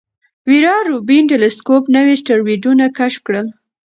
ویرا روبین ټیلسکوپ نوي اسټروېډونه کشف کړل.